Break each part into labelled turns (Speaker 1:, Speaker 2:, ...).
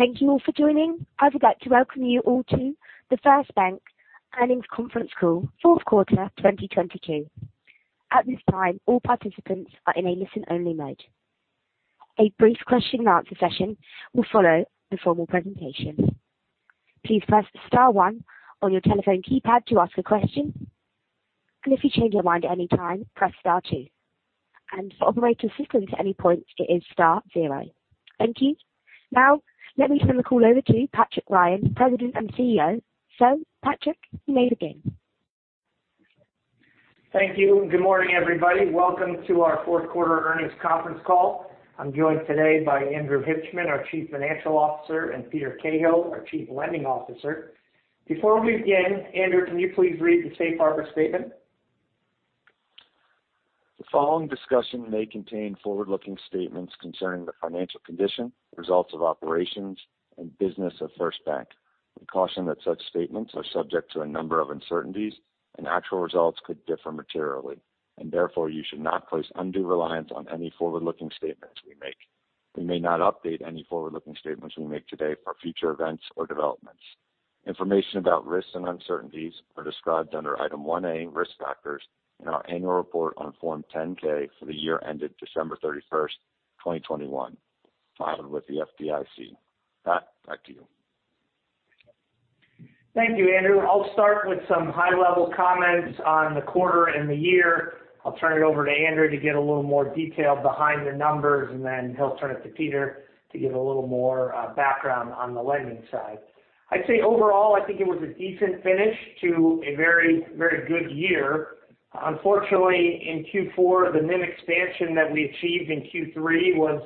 Speaker 1: Thank you all for joining. I would like to welcome you all to the First Bank Earnings conference call, fourth quarter 2022. At this time, all participants are in a listen-only mode. A brief question and answer session will follow the formal presentation. Please press star one on your telephone keypad to ask a question. If you change your mind at any time, press star two. For operator assistance at any point, it is star zero. Thank you. Now, let me turn the call over to Patrick Ryan, President and CEO. Patrick, you may begin.
Speaker 2: Thank you. Good morning, everybody. Welcome to our fourth quarter earnings conference call. I'm joined today by Andrew Hibshman, our Chief Financial Officer, and Peter Cahill, our Chief Lending Officer. Before we begin, Andrew, can you please read the safe harbor statement?
Speaker 3: The following discussion may contain forward-looking statements concerning the financial condition, results of operations, and business of First Bank. We caution that such statements are subject to a number of uncertainties, and actual results could differ materially. Therefore, you should not place undue reliance on any forward-looking statements we make. We may not update any forward-looking statements we make today for future events or developments. Information about risks and uncertainties are described under Item 1A, Risk Factors in our annual report on Form 10-K for the year ended December 31st, 2021, filed with the FDIC. Pat, back to you.
Speaker 2: Thank you, Andrew. I'll start with some high-level comments on the quarter and the year. I'll turn it over to Andrew to get a little more detail behind the numbers, and then he'll turn it to Peter to give a little more background on the lending side. I'd say overall, I think it was a decent finish to a very, very good year. Unfortunately, in Q4, the NIM expansion that we achieved in Q3 was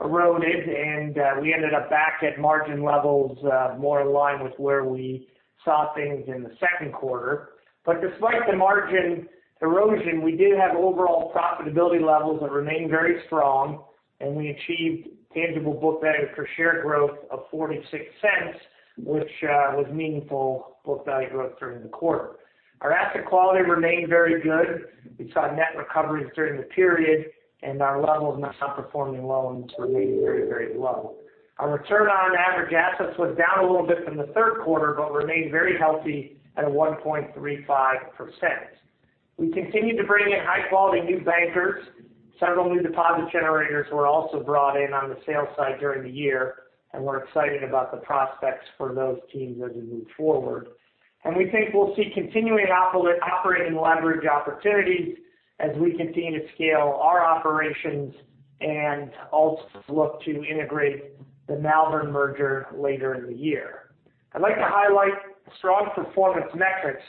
Speaker 2: eroded, and we ended up back at margin levels more in line with where we saw things in the second quarter. Despite the margin erosion, we did have overall profitability levels that remained very strong, and we achieved tangible book value per share growth of $0.46, which was meaningful book value growth during the quarter. Our asset quality remained very good. We saw net recoveries during the period, and our levels of non-performing loans remained very, very low. Our return on average assets was down a little bit from the third quarter, but remained very healthy at 1.35%. We continued to bring in high-quality new bankers. Several new deposit generators were also brought in on the sales side during the year, and we're excited about the prospects for those teams as we move forward. We think we'll see continuing operating leverage opportunities as we continue to scale our operations and also look to integrate the Malvern merger later in the year. I'd like to highlight strong performance metrics.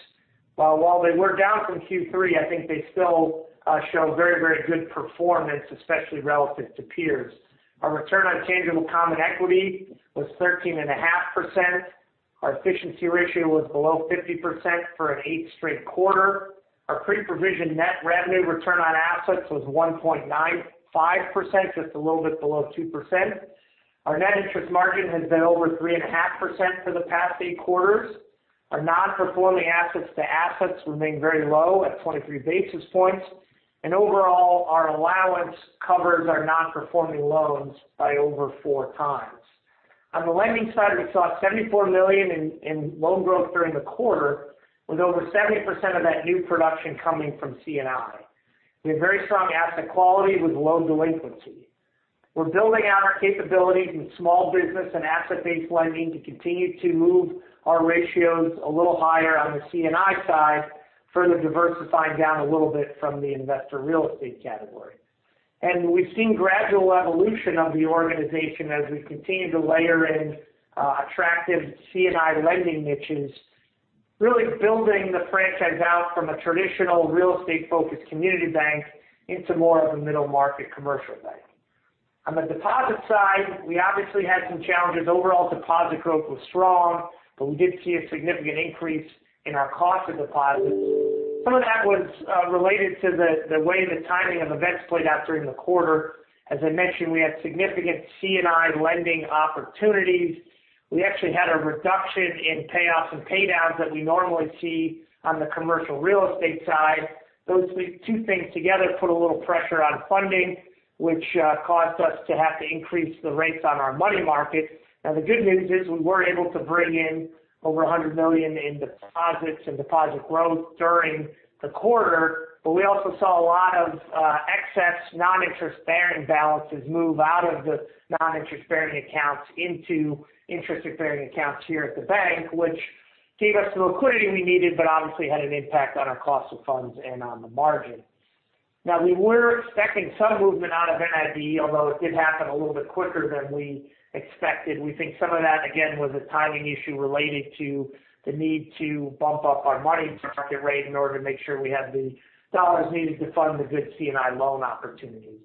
Speaker 2: While they were down from Q3, I think they still show very, very good performance, especially relative to peers. Our return on tangible common equity was 13.5%. Our efficiency ratio was below 50% for an eighth straight quarter. Our Pre-Provision Net Revenue return on assets was 1.95%, just a little bit below 2%. Our Net Interest Margin has been over 3.5% for the past eight quarters. Our non-performing assets to assets remain very low at 23 basis points. Overall, our Allowance covers our non-performing loans by over 4x. On the lending side, we saw $74 million in loan growth during the quarter, with over 70% of that new production coming from C&I. We have very strong asset quality with low delinquency. We're building out our capabilities in small business and Asset-Based Lending to continue to move our ratios a little higher on the C&I side, further diversifying down a little bit from the investor real estate category. We've seen gradual evolution of the organization as we continue to layer in attractive C&I lending niches, really building the franchise out from a traditional real estate-focused community bank into more of a middle-market commercial bank. On the deposit side, we obviously had some challenges. Overall deposit growth was strong, but we did see a significant increase in our cost of deposits. Some of that was related to the way the timing of events played out during the quarter. As I mentioned, we had significant C&I lending opportunities. We actually had a reduction in payoffs and pay downs that we normally see on the commercial real estate side. Those two things together put a little pressure on funding, which caused us to have to increase the rates on our money market. The good news is we were able to bring in over $100 million in deposits and deposit growth during the quarter, but we also saw a lot of excess non-interest-bearing balances move out of the non-interest-bearing accounts into interest-bearing accounts here at the bank, which gave us the liquidity we needed, but obviously had an impact on our cost of funds and on the margin. We were expecting some movement out of NID, although it did happen a little bit quicker than we expected. We think some of that, again, was a timing issue related to the need to bump up our money market rate in order to make sure we have the dollars needed to fund the good C&I loan opportunities.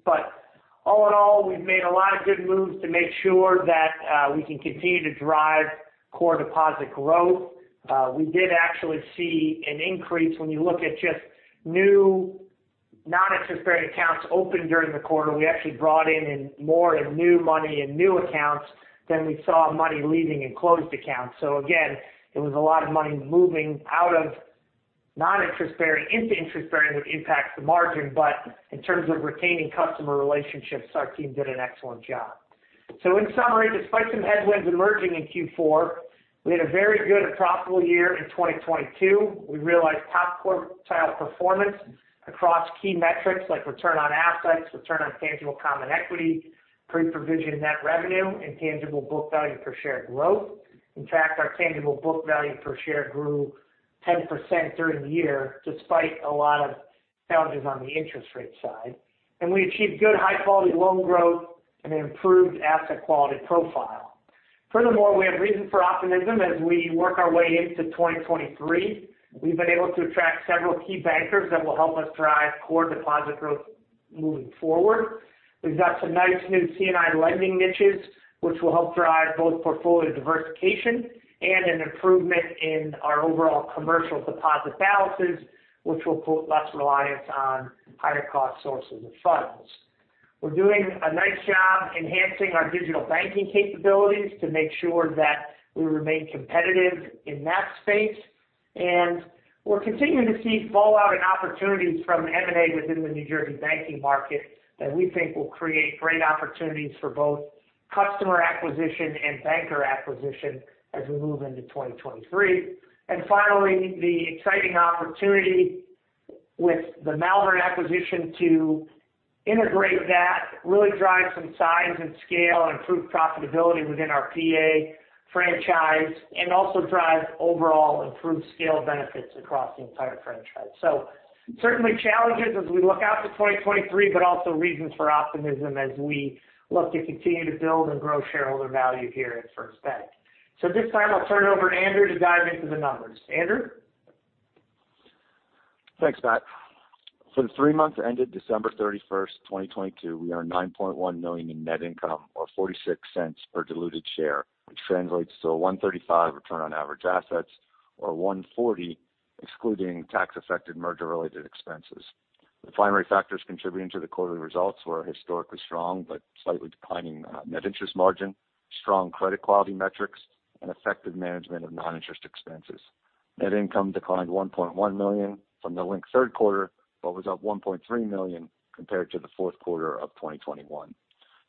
Speaker 2: All in all, we've made a lot of good moves to make sure that we can continue to drive core deposit growth. We did actually see an increase when you look at just new non-interest-bearing accounts opened during the quarter. We actually brought in more in new money and new accounts than we saw money leaving in closed accounts. Again, it was a lot of money moving out of non-interest-bearing into interest-bearing would impact the margin, but in terms of retaining customer relationships, our team did an excellent job. In summary, despite some headwinds emerging in Q4, we had a very good and profitable year in 2022. We realized top quartile performance across key metrics like return on assets, return on tangible common equity, pre-provision net revenue, and tangible book value per share growth. In fact, our tangible book value per share grew 10% during the year despite a lot of challenges on the interest rate side. We achieved good high-quality loan growth and an improved asset quality profile. Furthermore, we have reason for optimism as we work our way into 2023. We've been able to attract several key bankers that will help us drive core deposit growth moving forward. We've got some nice new C&I lending niches which will help drive both portfolio diversification and an improvement in our overall commercial deposit balances, which will put less reliance on higher cost sources of funds. We're doing a nice job enhancing our digital banking capabilities to make sure that we remain competitive in that space. We're continuing to see fallout and opportunities from M&A within the New Jersey banking market that we think will create great opportunities for both customer acquisition and banker acquisition as we move into 2023. Finally, the exciting opportunity with the Malvern acquisition to integrate that really drive some size and scale and improve profitability within our PA franchise and also drive overall improved scale benefits across the entire franchise. Certainly challenges as we look out to 2023, but also reasons for optimism as we look to continue to build and grow shareholder value here at First Bank. At this time, I'll turn it over to Andrew to dive into the numbers. Andrew?
Speaker 3: Thanks, Pat. For the three months ended December 31st, 2022, we earned $9.1 million in net income or $0.46 per diluted share, which translates to a 1.35% return on average assets or 1.40% excluding tax affected merger related expenses. The primary factors contributing to the quarterly results were historically strong but slightly declining net interest margin, strong credit quality metrics, and effective management of non-interest expenses. Net income declined $1.1 million from the linked third quarter, but was up $1.3 million compared to the fourth quarter of 2021.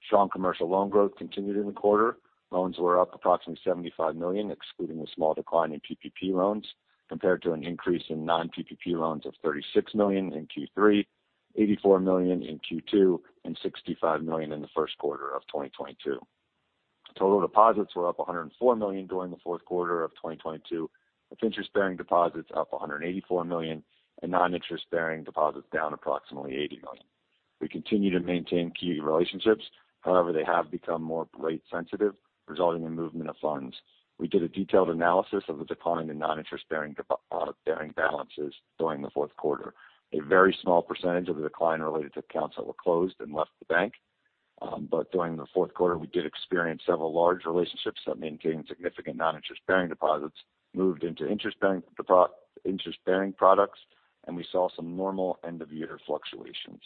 Speaker 3: Strong commercial loan growth continued in the quarter. Loans were up approximately $75 million, excluding a small decline in PPP loans, compared to an increase in non-PPP loans of $36 million in Q3, $84 million in Q2, and $65 million in the first quarter of 2022. Total deposits were up $104 million during the fourth quarter of 2022, with interest-bearing deposits up $184 million and non-interest-bearing deposits down approximately $80 million. We continue to maintain key relationships. They have become more rate sensitive, resulting in movement of funds. We did a detailed analysis of the decline in non-interest bearing balances during the fourth quarter. A very small % of the decline related to accounts that were closed and left the bank. During the fourth quarter, we did experience several large relationships that maintained significant non-interest bearing deposits, moved into interest bearing products, and we saw some normal end of year fluctuations.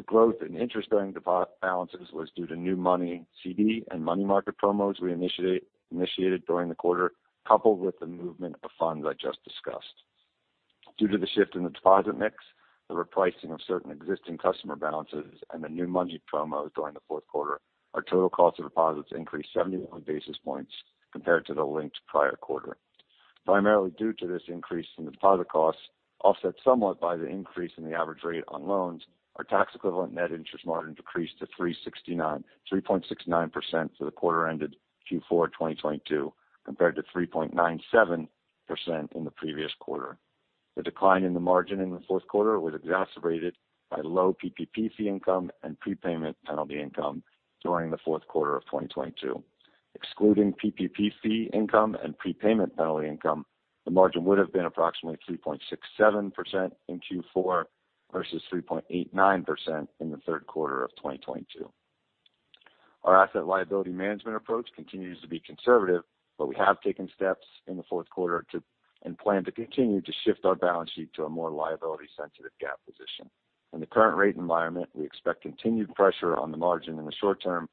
Speaker 3: The growth in interest bearing balances was due to new money CD and money market promos we initiated during the quarter, coupled with the movement of funds I just discussed. Due to the shift in the deposit mix, the repricing of certain existing customer balances, and the new money promos during the fourth quarter, our total cost of deposits increased 71 basis points compared to the linked prior quarter. Primarily due to this increase in deposit costs, offset somewhat by the increase in the average rate on loans, our tax equivalent net interest margin decreased to 3.69% for the quarter ended Q4 2022, compared to 3.97% in the previous quarter. The decline in the margin in the fourth quarter was exacerbated by low PPP fee income and prepayment penalty income during the fourth quarter of 2022. Excluding PPP fee income and prepayment penalty income, the margin would have been approximately 3.67% in Q4 versus 3.89% in the third quarter of 2022. Our Asset Liability Management approach continues to be conservative. We have taken steps in the fourth quarter and plan to continue to shift our balance sheet to a more liability sensitive GAAP position. In the current rate environment, we expect continued pressure on the margin in the short term.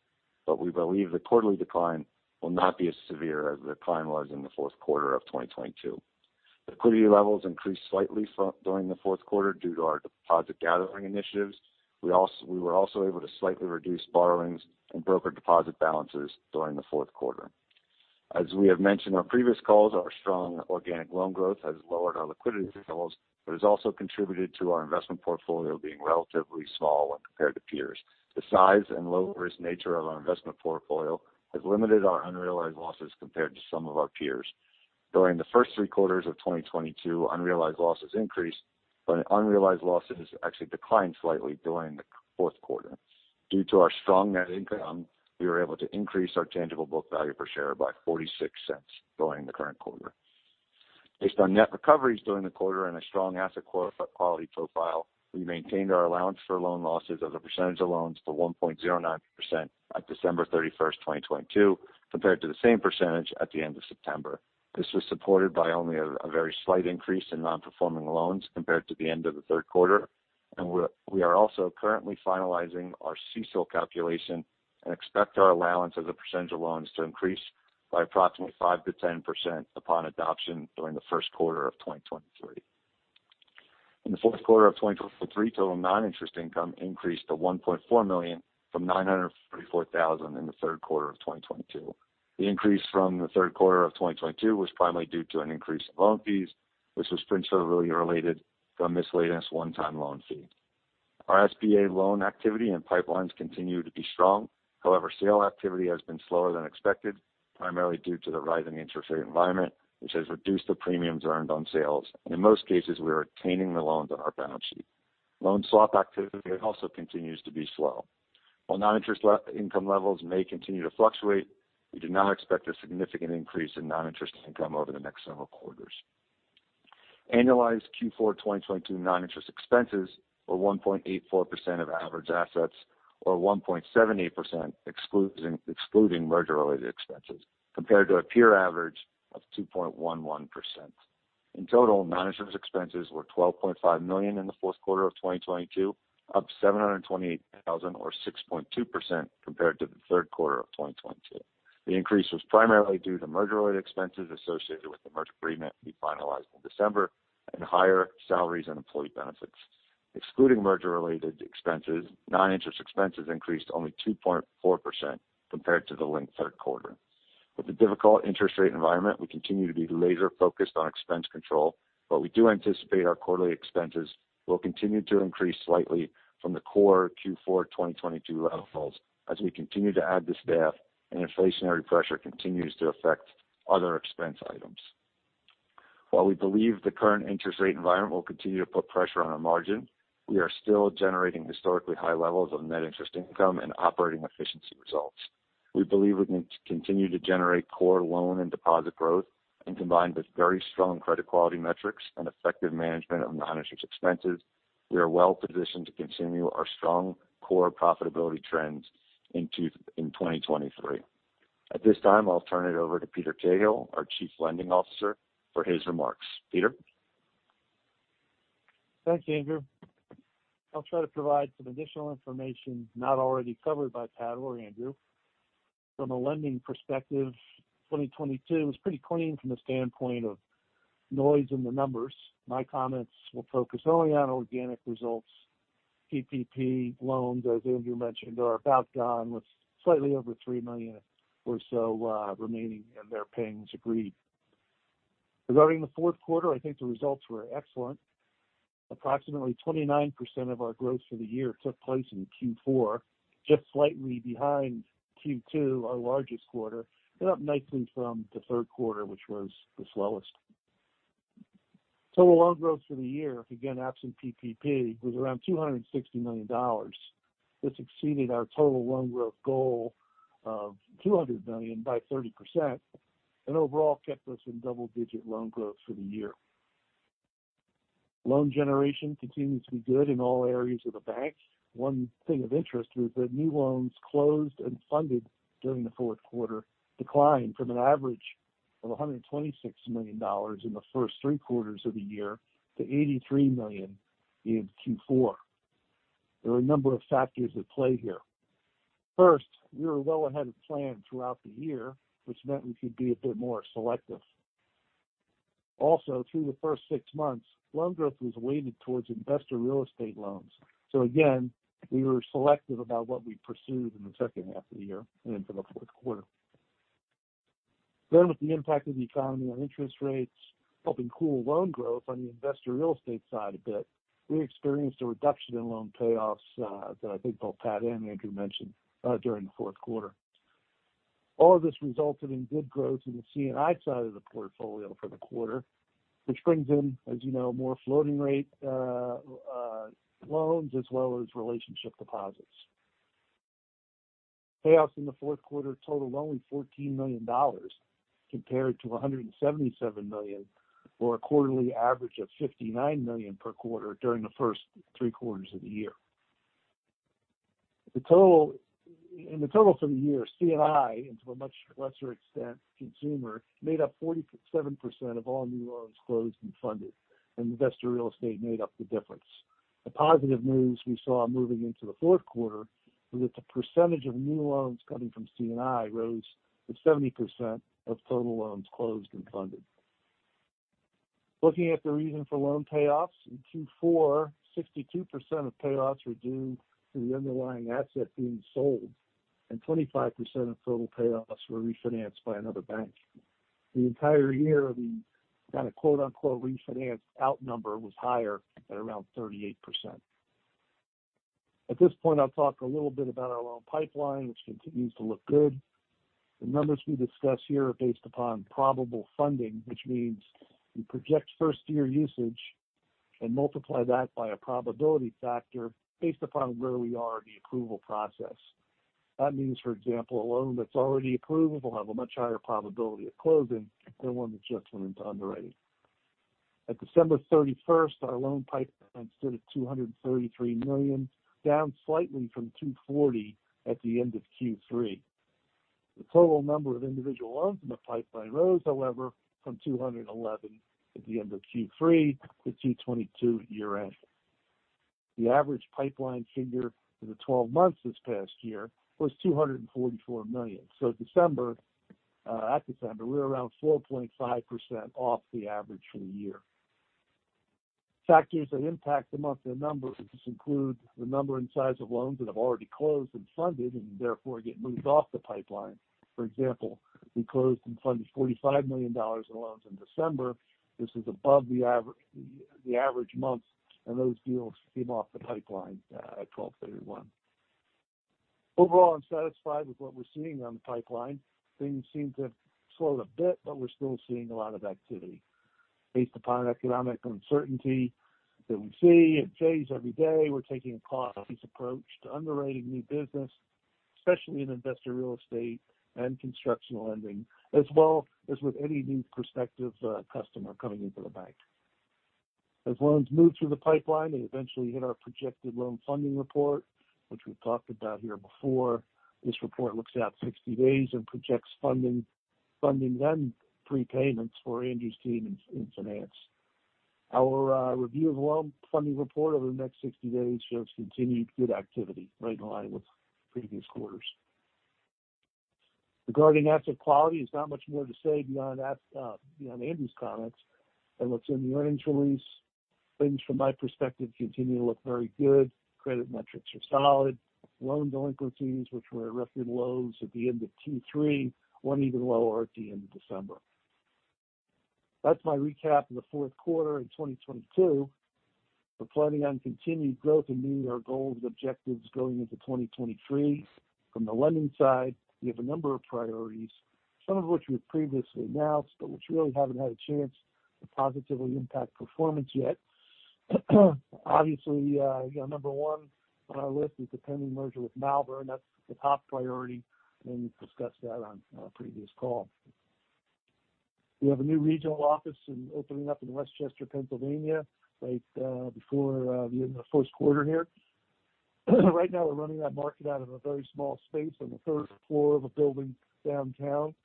Speaker 3: We believe the quarterly decline will not be as severe as the decline was in the fourth quarter of 2022. Liquidity levels increased slightly during the fourth quarter due to our deposit gathering initiatives. We were also able to slightly reduce borrowings and broker deposit balances during the fourth quarter. As we have mentioned on previous calls, our strong organic loan growth has lowered our liquidity levels, but has also contributed to our investment portfolio being relatively small when compared to peers. The size and low-risk nature of our investment portfolio has limited our unrealized losses compared to some of our peers. During the first three quarters of 2022, unrealized losses increased, but unrealized losses actually declined slightly during the fourth quarter. Due to our strong net income, we were able to increase our tangible book value per share by $0.46 during the current quarter. Based on net recoveries during the quarter and a strong asset quality profile, we maintained our Allowance for Loan Losses as a % of loans to 1.09% at December 31st, 2022, compared to the same % at the end of September. This was supported by only a very slight increase in non-performing loans compared to the end of the third quarter. We are also currently finalizing our CECL calculation and expect our allowance as a % of loans to increase by approximately 5%-10% upon adoption during the first quarter of 2023. In the fourth quarter of 2023, total non-interest income increased to $1.4 million from $944,000 in the third quarter of 2022. The increase from the third quarter of 2022 was primarily due to an increase in loan fees, which was principally related from this latest one-time loan fee. Our SBA loan activity and pipelines continue to be strong. Sale activity has been slower than expected, primarily due to the rising interest rate environment, which has reduced the premiums earned on sales. In most cases, we are retaining the loans on our balance sheet. Loan swap activity also continues to be slow. While non-interest income levels may continue to fluctuate, we do not expect a significant increase in non-interest income over the next several quarters. Annualized Q4 2022 non-interest expenses were 1.84% of average assets or 1.78% excluding merger-related expenses, compared to a peer average of 2.11%. In total, non-interest expenses were $12.5 million in the fourth quarter of 2022, up $728,000 or 6.2% compared to the third quarter of 2022. The increase was primarily due to merger-related expenses associated with the merger agreement we finalized in December and higher salaries and employee benefits. Excluding merger-related expenses, non-interest expenses increased only 2.4% compared to the linked third quarter. With the difficult interest rate environment, we continue to be laser-focused on expense control, we do anticipate our quarterly expenses will continue to increase slightly from the core Q4 2022 levels as we continue to add the staff and inflationary pressure continues to affect other expense items. While we believe the current interest rate environment will continue to put pressure on our margin, we are still generating historically high levels of net interest income and operating efficiency results. We believe we can continue to generate core loan and deposit growth and combined with very strong credit quality metrics and effective management of non-interest expenses, we are well positioned to continue our strong core profitability trends in 2023. At this time, I'll turn it over to Peter Cahill, our Chief Lending Officer, for his remarks. Peter?
Speaker 4: Thanks, Andrew. I'll try to provide some additional information not already covered by Pat or Andrew. From a lending perspective, 2022 was pretty clean from the standpoint of noise in the numbers. My comments will focus only on organic results. PPP loans, as Andrew mentioned, are about gone with slightly over $3 million or so remaining, and they're paying as agreed. Regarding the fourth quarter, I think the results were excellent. Approximately 29% of our growth for the year took place in Q4, just slightly behind Q2, our largest quarter, and up nicely from the third quarter, which was the slowest. Total loan growth for the year, again, absent PPP, was around $260 million. This exceeded our total loan growth goal of $200 million by 30% and overall kept us in double-digit loan growth for the year. Loan generation continued to be good in all areas of the bank. One thing of interest was that new loans closed and funded during the fourth quarter declined from an average of $126 million in the first three quarters of the year to $83 million in Q4. There were a number of factors at play here. First, we were well ahead of plan throughout the year, which meant we could be a bit more selective. Through the first six months, loan growth was weighted towards investor real estate loans. Again, we were selective about what we pursued in the second half of the year and into the fourth quarter. With the impact of the economy on interest rates helping cool loan growth on the investor real estate side a bit, we experienced a reduction in loan payoffs that I think both Pat and Andrew mentioned during the fourth quarter. All of this resulted in good growth in the C&I side of the portfolio for the quarter, which brings in, as you know, more floating rate loans as well as relationship deposits. Payoffs in the fourth quarter totaled only $14 million compared to $177 million or a quarterly average of $59 million per quarter during the first three quarters of the year. The total for the year, C&I, and to a much lesser extent, consumer, made up 47% of all new loans closed and funded, and investor real estate made up the difference. The positive news we saw moving into the fourth quarter was that the % of new loans coming from C&I rose to 70% of total loans closed and funded. Looking at the reason for loan payoffs, in Q4, 62% of payoffs were due to the underlying asset being sold, and 25% of total payoffs were refinanced by another bank. The entire year, the kind of quote-unquote refinance outnumber was higher at around 38%. At this point, I'll talk a little bit about our loan pipeline, which continues to look good. The numbers we discuss here are based upon probable funding, which means we project first year usage and multiply that by a probability factor based upon where we are in the approval process. That means, for example, a loan that's already approved will have a much higher probability of closing than one that just went into underwriting. At December 31st, our loan pipeline stood at $233 million, down slightly from $240 million at the end of Q3. The total number of individual loans in the pipeline rose, however, from $211 million at the end of Q3 to $222 million at year-end. The average pipeline figure for the 12 months this past year was $244 million. December, at December, we're around 4.5% off the average for the year. Factors that impact the monthly numbers, which include the number and size of loans that have already closed and funded and therefore get moved off the pipeline. For example, we closed and funded $45 million in loans in December. This is above the average month. Those deals came off the pipeline at 12/31. Overall, I'm satisfied with what we're seeing on the pipeline. Things seem to have slowed a bit, we're still seeing a lot of activity. Based upon economic uncertainty that we see, it changes every day, we're taking a cautious approach to underwriting new business, especially in investor real estate and constructional lending, as well as with any new prospective customer coming into the bank. As loans move through the pipeline, they eventually hit our projected loan funding report, which we've talked about here before. This report looks out 60 days and projects funding and prepayments for Andrew's team in finance. Our review of loan funding report over the next 60 days shows continued good activity right in line with previous quarters. Regarding asset quality, there's not much more to say beyond Andrew's comments and what's in the earnings release. Things from my perspective continue to look very good. Credit metrics are solid. Loan delinquencies, which were at record lows at the end of Q3, went even lower at the end of December. That's my recap of the fourth quarter in 2022. We're planning on continued growth and meeting our goals and objectives going into 2023. From the lending side, we have a number of priorities, some of which we've previously announced, but which really haven't had a chance to positively impact performance yet. Obviously, you know, number one on our list is the pending merger with Malvern. That's the top priority, and we've discussed that on a previous call. We have a new regional office and opening up in West Chester, Pennsylvania, late before the end of the first quarter here. Right now, we're running that market out of a very small space on the third floor of a building downtown.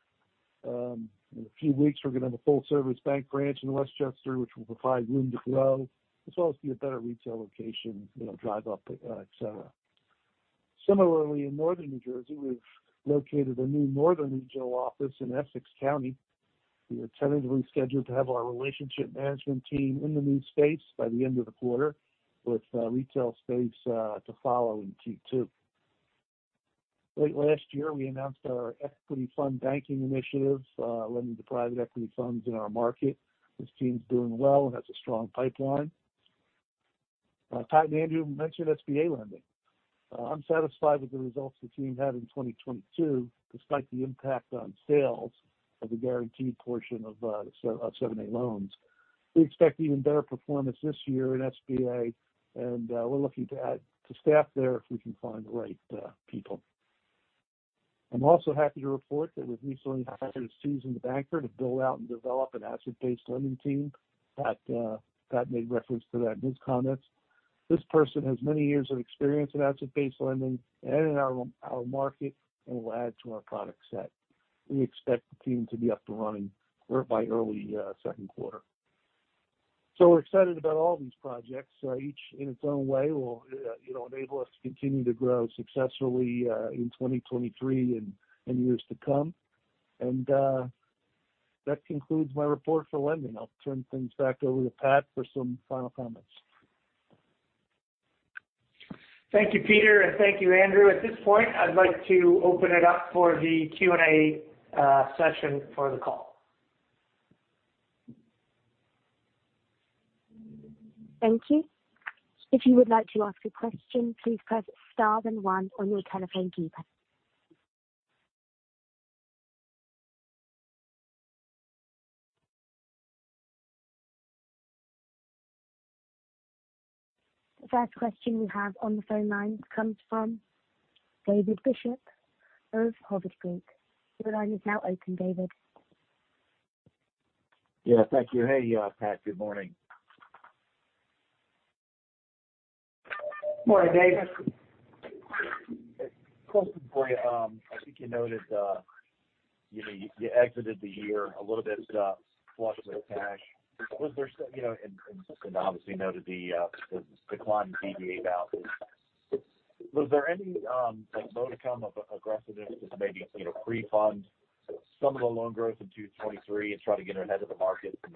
Speaker 4: In a few weeks, we're gonna have a full-service bank branch in West Chester, which will provide room to grow as well as be a better retail location, you know, drive up, et cetera. Similarly, in Northern New Jersey, we've located a new northern regional office in Essex County. We are tentatively scheduled to have our relationship management team in the new space by the end of the quarter, with retail space to follow in Q2. Late last year, we announced our Equity Fund Banking initiative, lending to private equity funds in our market. This team's doing well and has a strong pipeline. Pat and Andrew mentioned SBA lending. I'm satisfied with the results the team had in 2022, despite the impact on sales of the guaranteed portion of 7(a) loans. We expect even better performance this year in SBA, and we're looking to add to staff there if we can find the right people. I'm also happy to report that we've recently hired a seasoned banker to build out and develop an Asset-Based Lending team. Pat made reference to that in his comments. This person has many years of experience in Asset-Based Lending and in our market and will add to our product set. We expect the team to be up and running or by early second quarter. We're excited about all these projects. Each in its own way will, you know, enable us to continue to grow successfully, in 2023 and years to come. That concludes my report for lending. I'll turn things back over to Pat for some final comments.
Speaker 2: Thank you, Peter, and thank you, Andrew. At this point, I'd like to open it up for the Q&A session for the call.
Speaker 1: Thank you. If you would like to ask a question, please press star then one on your telephone keypad. The first question we have on the phone line comes from David Bishop of Hovde Group. Your line is now open, David.
Speaker 5: Yeah, thank you. Hey, Pat. Good morning.
Speaker 2: Morning, David.
Speaker 5: A question for you. I think you noted, you know, you exited the year a little bit flush with cash. Was there You know, and obviously noted the decline in DBA balances. Was there any like modicum of aggressiveness to maybe, you know, pre-fund some of the loan growth in 2023 and try to get ahead of the market and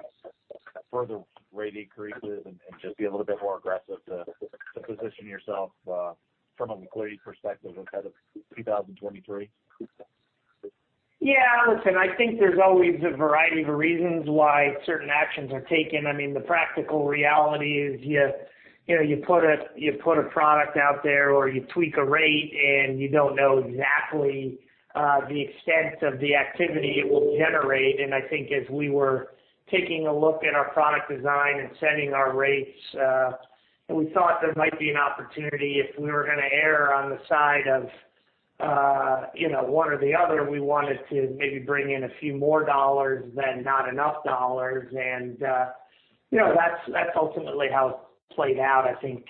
Speaker 5: further rate increases and just be a little bit more aggressive to position yourself from a liquidity perspective ahead of 2023?
Speaker 2: Listen, I think there's always a variety of reasons why certain actions are taken. I mean, the practical reality is you know, you put a product out there or you tweak a rate and you don't know exactly, the extent of the activity it will generate. I think as we were taking a look at our product design and setting our rates, and we thought there might be an opportunity if we were gonna err on the side of, you know, one or the other, we wanted to maybe bring in a few more dollars than not enough dollars. You know, that's ultimately how it played out. I think,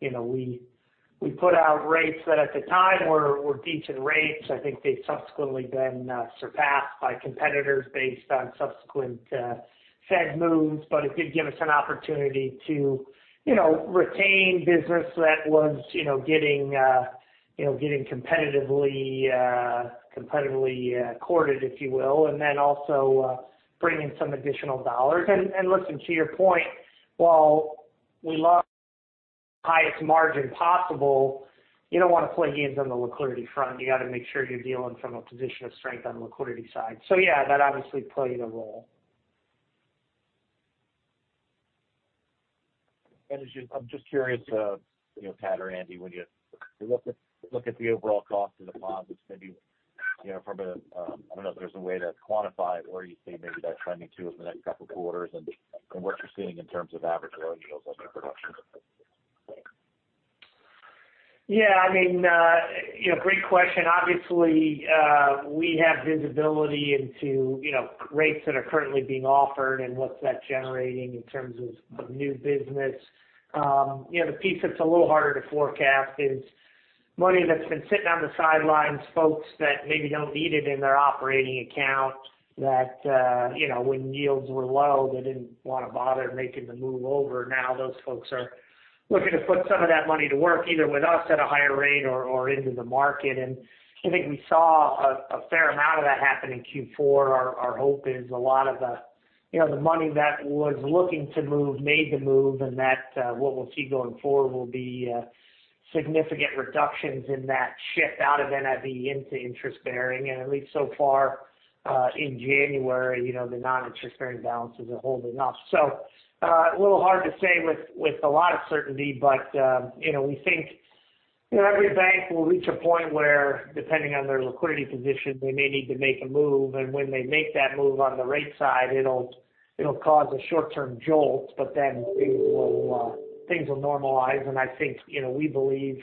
Speaker 2: you know, we put out rates that at the time were decent rates. I think they've subsequently been surpassed by competitors based on subsequent Fed moves, but it did give us an opportunity to, you know, retain business that was, you know, getting, you know, getting competitively courted, if you will, and then also, bring in some additional dollars. Listen, to your point, while we love highest margin possible, you don't wanna play games on the liquidity front. You gotta make sure you're dealing from a position of strength on the liquidity side. Yeah, that obviously played a role.
Speaker 5: I'm just curious, you know, Pat or Andy, when you look at the overall cost of deposits, maybe, you know, from a, I don't know if there's a way to quantify it or you see maybe that trending too in the next couple of quarters and what you're seeing in terms of average loan yields on new production?
Speaker 2: Yeah. I mean, you know, great question. Obviously, we have visibility into, you know, rates that are currently being offered and what's that generating in terms of new business. You know, the piece that's a little harder to forecast is money that's been sitting on the sidelines, folks that maybe don't need it in their operating account that, you know, when yields were low, they didn't wanna bother making the move over. Now those folks are looking to put some of that money to work, either with us at a higher rate or into the market. I think we saw a fair amount of that happen in Q4. Our hope is a lot of the, you know, the money that was looking to move, made the move, and that what we'll see going forward will be significant reductions in that shift out of NIB into interest-bearing. At least so far, in January, you know, the non-interest-bearing balances are holding up. A little hard to say with a lot of certainty, but, you know, we think, you know, every bank will reach a point where depending on their liquidity position, they may need to make a move. When they make that move on the rate side, it'll cause a short-term jolt, things will normalize. I think, you know, we believe,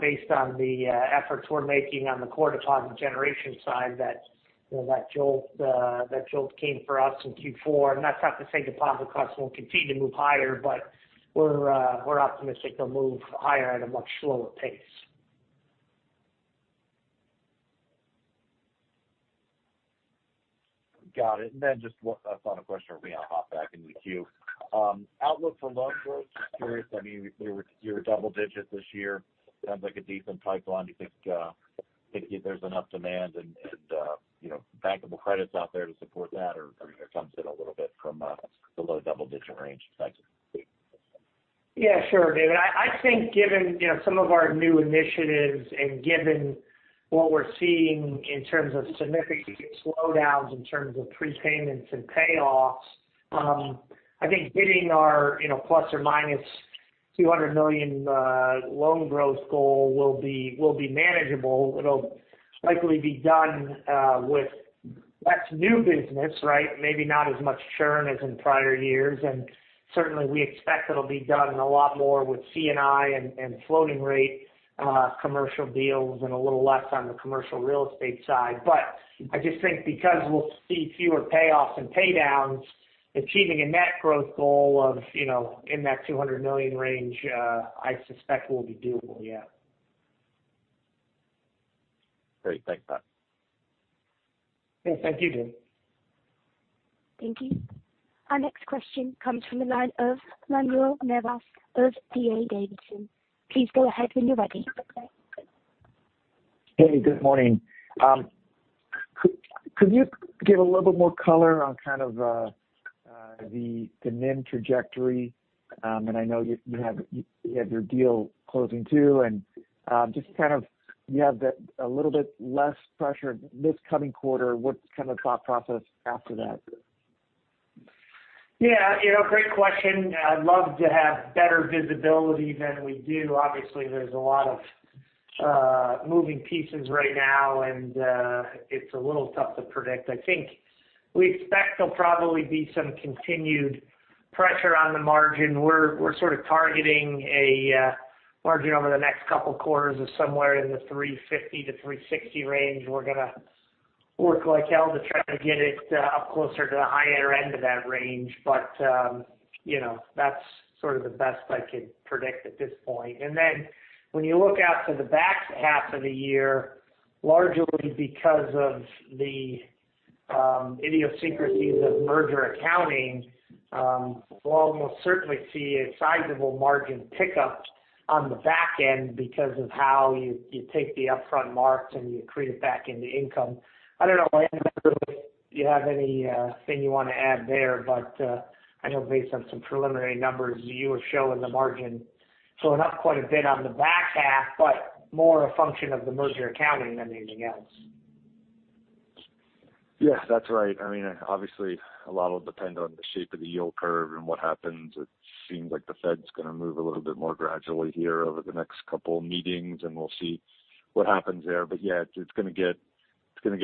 Speaker 2: based on the efforts we're making on the core deposit generation side that, you know, that jolt came for us in Q4. That's not to say deposit costs won't continue to move higher, but we're optimistic they'll move higher at a much slower pace.
Speaker 5: Got it. Just one final question for me, I'll hop back in the queue. Outlook for loan growth, just curious. I mean, you're double digit this year. Sounds like a decent pipeline. Do you think there's enough demand and, you know, bankable credits out there to support that? Or are you gonna come in a little bit from the low double-digit range? Thanks.
Speaker 2: Yeah, sure, David. I think given, you know, some of our new initiatives and given what we're seeing in terms of significant slowdowns in terms of prepayments and payoffs, I think hitting our, you know, ±$200 million loan growth goal will be manageable. It'll likely be done with less new business, right? Maybe not as much churn as in prior years. Certainly, we expect it'll be done a lot more with C&I and floating rate commercial deals and a little less on the commercial real estate side. I just think because we'll see fewer payoffs and pay downs, achieving a net growth goal of, you know, in that $200 million range, I suspect will be doable, yeah.
Speaker 5: Great. Thanks, Pat.
Speaker 2: Yeah. Thank you, David.
Speaker 1: Thank you. Our next question comes from the line of Manuel Navas of D.A. Davidson. Please go ahead when you're ready.
Speaker 6: Hey, good morning. Could you give a little bit more color on kind of the NIM trajectory? I know you had your deal closing too, and just kind of you have the a little bit less pressure this coming quarter. What's kind of the thought process after that?
Speaker 2: Yeah. You know, great question. I'd love to have better visibility than we do. Obviously, there's a lot of moving pieces right now, and it's a little tough to predict. I think we expect there'll probably be some continued pressure on the margin. We're sort of targeting a margin over the next couple quarters of somewhere in the 3.50%-3.60% range. We're gonna work like hell to try to get it up closer to the higher end of that range. You know, that's sort of the best I could predict at this point. When you look out to the back half of the year, largely because of the idiosyncrasies of merger accounting, we'll almost certainly see a sizable margin pickup on the back end because of how you take the upfront marks and you accrete it back into income. I don't know, Andy, I don't know if you have any thing you wanna add there, but, I know based on some preliminary numbers you were showing the margin slowing up quite a bit on the back half, but more a function of the merger accounting than anything else.
Speaker 3: Yes, that's right. I mean, obviously a lot will depend on the shape of the yield curve and what happens. It seems like the Fed's gonna move a little bit more gradually here over the next couple meetings, and we'll see what happens there. Yeah, it's gonna get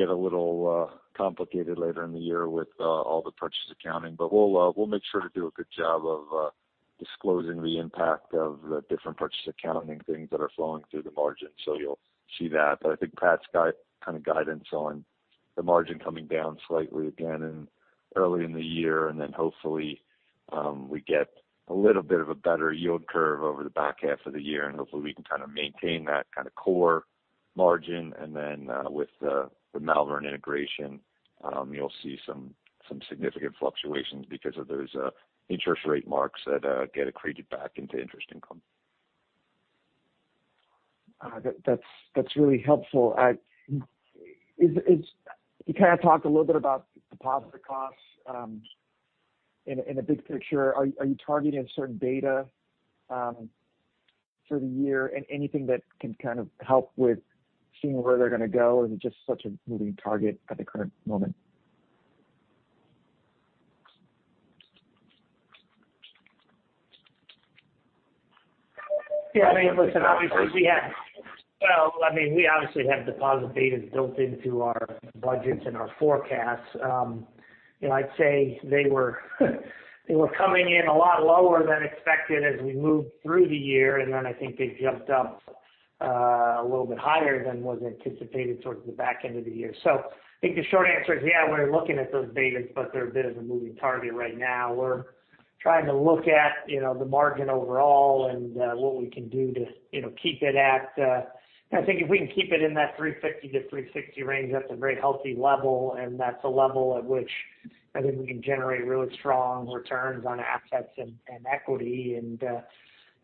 Speaker 3: a little complicated later in the year with all the Purchase Accounting. We'll make sure to do a good job of disclosing the impact of the different Purchase Accounting things that are flowing through the margin. You'll see that. I think Pat's kind of guidance on the margin coming down slightly again in early in the year, and then hopefully, we get a little bit of a better yield curve over the back half of the year, and hopefully we can kind of maintain that kind of core margin. With the Malvern integration, you'll see some significant fluctuations because of those interest rate marks that get accreted back into interest income.
Speaker 6: That's really helpful. Is you kind of talked a little bit about deposit costs in a big picture? Are you targeting certain data for the year and anything that can kind of help with seeing where they're gonna go? Is it just such a moving target at the current moment?
Speaker 2: Yeah. I mean, listen, well, I mean, we obviously have Deposit Betas built into our budgets and our forecasts. You know, I'd say they were coming in a lot lower than expected as we moved through the year, then I think they jumped up a little bit higher than was anticipated towards the back end of the year. I think the short answer is, yeah, we're looking at those Betas, but they're a bit of a moving target right now. We're trying to look at, you know, the margin overall and what we can do to, you know, keep it at. I think if we can keep it in that 350-360 range, that's a very healthy level, and that's a level at which I think we can generate really strong returns on assets and equity.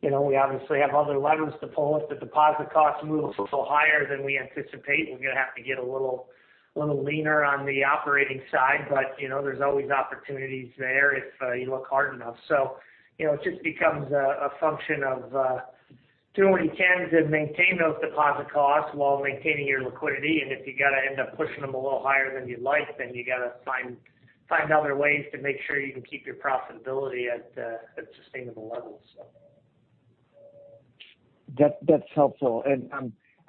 Speaker 2: You know, we obviously have other levers to pull. If the deposit costs move so higher than we anticipate, we're gonna have to get a little leaner on the operating side. You know, there's always opportunities there if you look hard enough. You know, it just becomes a function of doing what you can to maintain those deposit costs while maintaining your liquidity. If you gotta end up pushing them a little higher than you'd like, then you gotta find other ways to make sure you can keep your profitability at sustainable levels.
Speaker 6: That's helpful.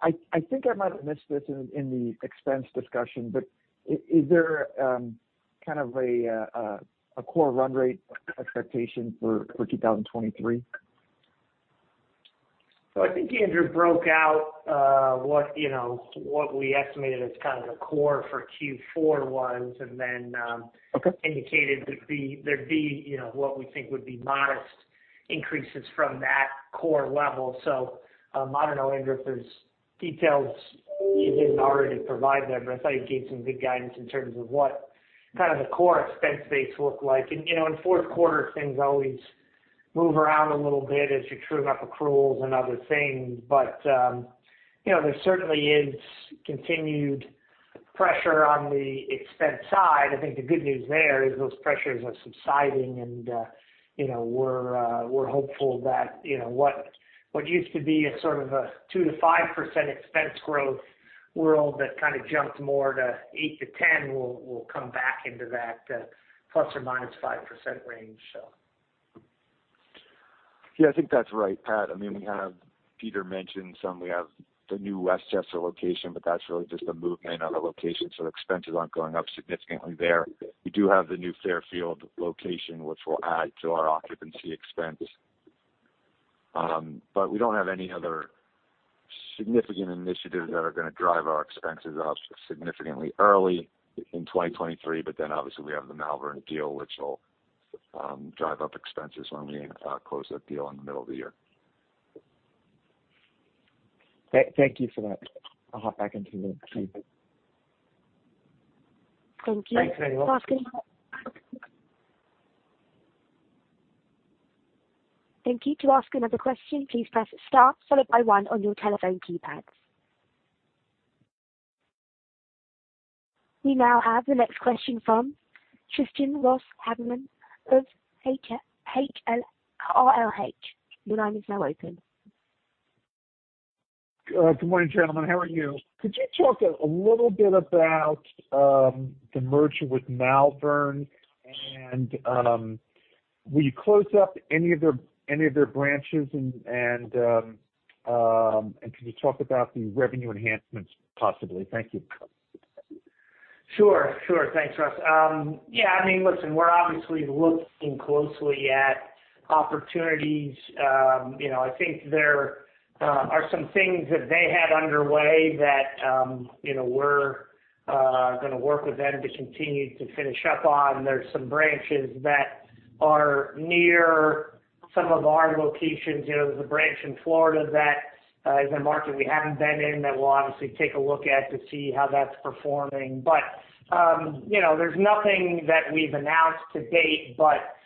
Speaker 6: I think I might have missed this in the expense discussion, but is there kind of a core run rate expectation for 2023?
Speaker 2: I think Andrew broke out, what, you know, what we estimated as kind of the core for Q4 was.
Speaker 6: Okay.
Speaker 2: Indicated there'd be, you know, what we think would be modest increases from that core level. I don't know, Andrew, if there's details you didn't already provide there, but I thought you gave some good guidance in terms of what kind of the core expense base look like. You know, in fourth quarter things always move around a little bit as you're trueing up accruals and other things. You know, there certainly is continued pressure on the expense side. I think the good news there is those pressures are subsiding and, you know, we're hopeful that, you know, what used to be a sort of a 2%-5% expense growth world that kind of jumped more to 8%-10% will come back into that ±5% range.
Speaker 3: Yeah, I think that's right, Pat. I mean, Peter mentioned some, we have the new West Chester location, but that's really just a movement of the location, so expenses aren't going up significantly there. We do have the new Fairfield location, which will add to our occupancy expense. But we don't have any other significant initiatives that are gonna drive our expenses up significantly early in 2023. Obviously we have the Malvern deal, which will drive up expenses when we close that deal in the middle of the year.
Speaker 6: Thank you for that. I'll hop back into the queue.
Speaker 1: Thank you.
Speaker 2: Thanks, Andrew.
Speaker 1: Thank you. To ask another question, please press star followed by one on your telephone keypad. We now have the next question from Tristan Ross Haberman of RLH. Your line is now open.
Speaker 7: Good morning, gentlemen. How are you? Could you talk a little bit about the merger with Malvern? Will you close up any of their branches? Can you talk about the revenue enhancements, possibly? Thank you.
Speaker 2: Sure. Sure. Thanks, Ross. Yeah, I mean, listen, we're obviously looking closely at opportunities. You know, I think there are some things that they had underway that, you know, we're gonna work with them to continue to finish up on. There's some branches that are near some of our locations. You know, there's a branch in Florida that is a market we haven't been in that we'll obviously take a look at to see how that's performing. You know, there's nothing that we've announced to date, but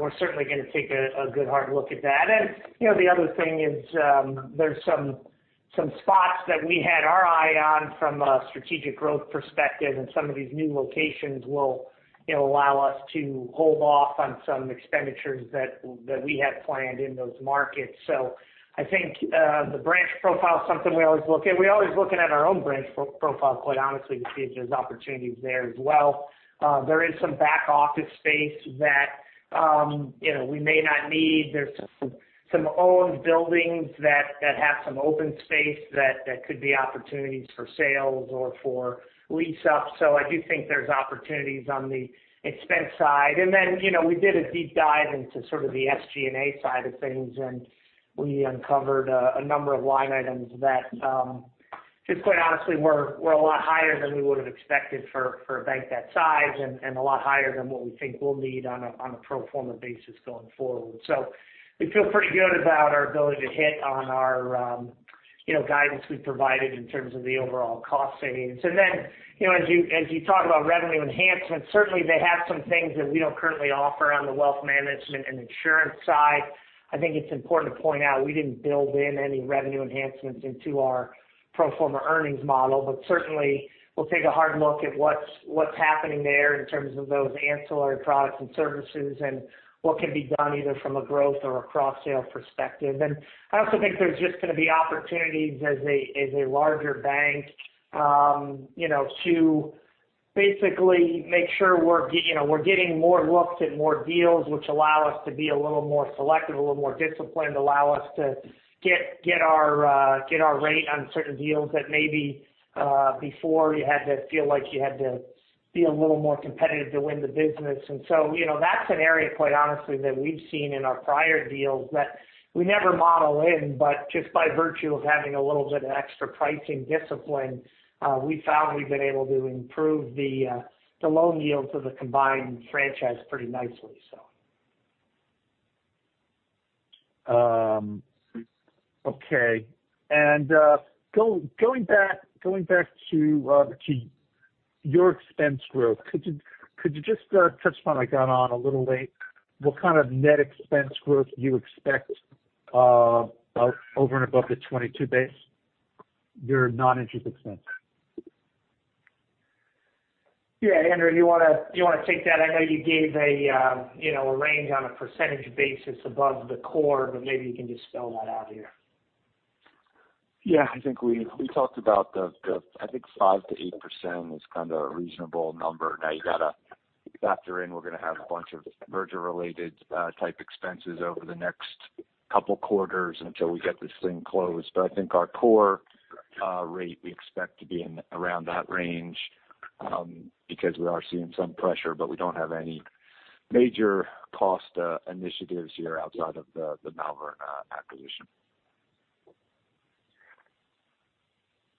Speaker 2: we're certainly gonna take a good hard look at that. You know, the other thing is, there's some spots that we had our eye on from a strategic growth perspective, and some of these new locations will, you know, allow us to hold off on some expenditures that we had planned in those markets. I think, the branch profile is something we always look at. We're always looking at our own branch profile, quite honestly, to see if there's opportunities there as well. There is some back office space that, you know, we may not need. There's some owned buildings that have some open space that could be opportunities for sales or for lease-up. I do think there's opportunities on the expense side. You know, we did a deep dive into sort of the SG&A side of things, and we uncovered a number of line items that, just quite honestly, we're a lot higher than we would have expected for a bank that size and a lot higher than what we think we'll need on a pro forma basis going forward. We feel pretty good about our ability to hit on our, you know, guidance we provided in terms of the overall cost savings. You know, as you talk about revenue enhancements, certainly they have some things that we don't currently offer on the wealth management and insurance side. I think it's important to point out we didn't build in any revenue enhancements into our pro forma earnings model. Certainly we'll take a hard look at what's happening there in terms of those ancillary products and services and what can be done either from a growth or a cross-sale perspective. I also think there's just gonna be opportunities as a, as a larger bank, you know, to basically make sure you know, we're getting more looks at more deals which allow us to be a little more selective, a little more disciplined, allow us to get our rate on certain deals that maybe before you had to feel like you had to be a little more competitive to win the business. You know, that's an area, quite honestly, that we've seen in our prior deals that we never model in. Just by virtue of having a little bit of extra pricing discipline, we found we've been able to improve the loan yields of the combined franchise pretty nicely, so.
Speaker 7: Okay. Going back to your expense growth. Could you just touch upon, I got on a little late, what kind of net expense growth you expect over and above the 22 base, your non-interest expense?
Speaker 2: Yeah. Andrew, you wanna take that? I know you gave a, you know, a range on a % basis above the core, but maybe you can just spell that out here.
Speaker 3: Yeah. I think we talked about the, I think 5%-8% was kind of a reasonable number. You gotta factor in, we're gonna have a bunch of merger related type expenses over the next couple quarters until we get this thing closed. I think our core rate, we expect to be in around that range because we are seeing some pressure, but we don't have any major cost initiatives here outside of the Malvern acquisition.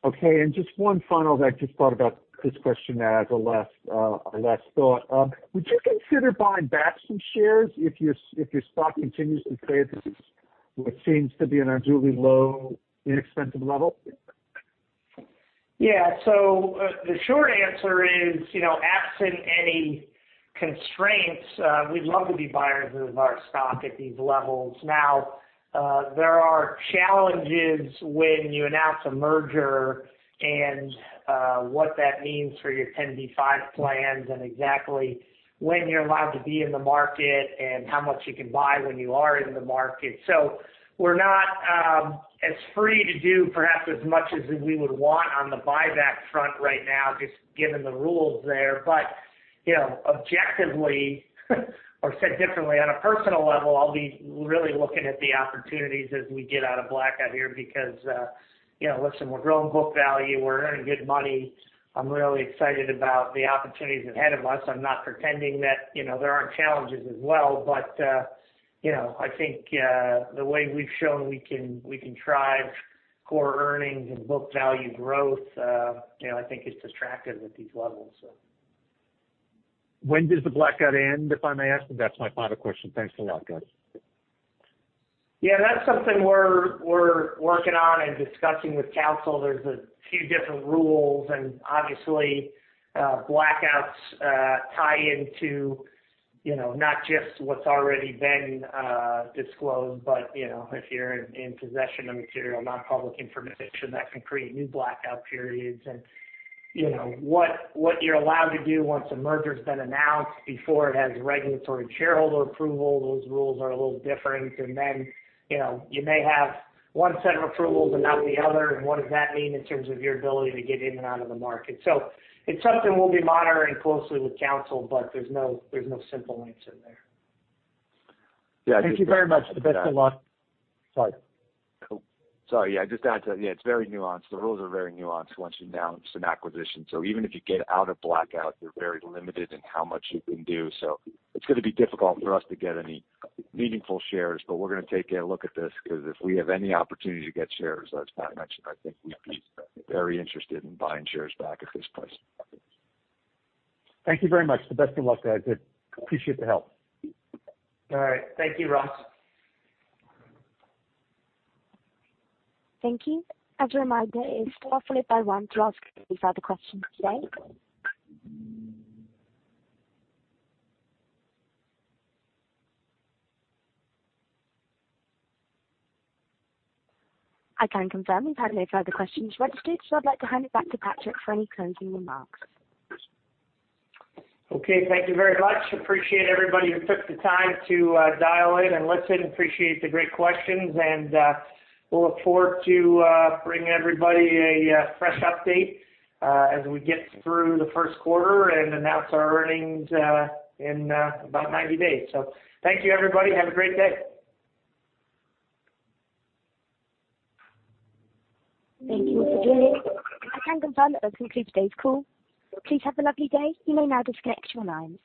Speaker 7: Okay. Just one final, I just thought about this question as a last, a last thought. Would you consider buying back some shares if your, if your stock continues to trade what seems to be an unduly low, inexpensive level?
Speaker 2: Yeah. The short answer is, you know, absent any constraints, we'd love to be buyers of our stock at these levels. Now, there are challenges when you announce a merger and what that means for your 10b5-1 plans and exactly when you're allowed to be in the market and how much you can buy when you are in the market. We're not as free to do perhaps as much as we would want on the buyback front right now, just given the rules there. You know, objectively or said differently on a personal level, I'll be really looking at the opportunities as we get out of blackout here because, you know, listen, we're growing book value. We're earning good money. I'm really excited about the opportunities ahead of us. I'm not pretending that, you know, there aren't challenges as well. You know, I think, the way we've shown we can drive core earnings and book value growth, you know, I think is attractive at these levels.
Speaker 7: When does the blackout end, if I may ask? That's my final question. Thanks a lot, guys.
Speaker 2: Yeah, that's something we're working on and discussing with counsel. There's a few different rules, and obviously, blackouts tie into, you know, not just what's already been disclosed, but, you know, if you're in possession of material, non-public information that can create new blackout periods. You know, what you're allowed to do once a merger's been announced before it has regulatory shareholder approval, those rules are a little different. You know, you may have one set of approvals and not the other and what does that mean in terms of your ability to get in and out of the market. It's something we'll be monitoring closely with counsel, but there's no simple answer there.
Speaker 7: Thank you very much. The best of luck. Sorry.
Speaker 3: Sorry. Yeah, just to add to that. Yeah, it's very nuanced. The rules are very nuanced once you announce an acquisition. Even if you get out of blackout, you're very limited in how much you can do. It's gonna be difficult for us to get any meaningful shares. We're gonna take a look at this because if we have any opportunity to get shares, as Pat mentioned, I think we'd be very interested in buying shares back at this price.
Speaker 7: Thank you very much. The best of luck guys. Appreciate the help.
Speaker 2: All right. Thank you, Ross.
Speaker 1: Thank you. As a reminder, it is still awfully by one to ask any further questions today. I can confirm we've had no further questions registered. I'd like to hand it back to Patrick for any closing remarks.
Speaker 2: Okay. Thank you very much. Appreciate everybody who took the time to dial in and listen. Appreciate the great questions and we'll look forward to bringing everybody a fresh update as we get through the first quarter and announce our earnings in about 90 days. Thank you, everybody. Have a great day.
Speaker 1: Thank you for joining. I can confirm that concludes today's call. Please have a lovely day. You may now disconnect your lines.